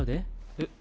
えっ？